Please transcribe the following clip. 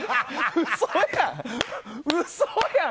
嘘やん！